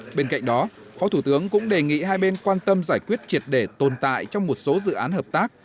trong đó phó thủ tướng cũng đề nghị hai bên quan tâm giải quyết triệt đề tồn tại trong một số dự án hợp tác